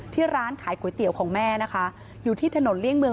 ร้านขายก๋วยเตี๋ยวของแม่นะคะอยู่ที่ถนนเลี่ยงเมือง